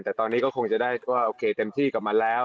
แต่ตอนนี้ก็คงจะได้ก็โอเคเต็มที่กับมันแล้ว